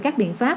các biện pháp